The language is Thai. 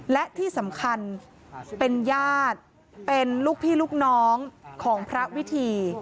และที่สำคัญเป็นญาติเป็นลูกพี่ลูกน้องของพระวิธี